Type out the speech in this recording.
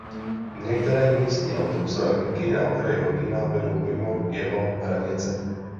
Některé místní autobusové linky na okraji Londýna vedou mimo jeho hranice.